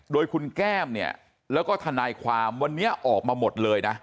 โดยคุณแก้มเนี่ยแล้วก็ทนายความวันนี้ออกมาหมดเลยนะ